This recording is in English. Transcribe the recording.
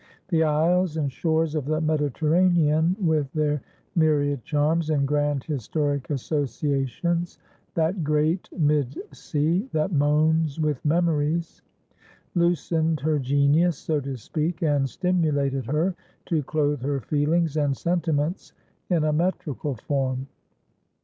The isles and shores of the Mediterranean, with their myriad charms and grand historic associations: "That great mid sea that moans with memories," loosened her genius, so to speak, and stimulated her to clothe her feelings and sentiments in a metrical form.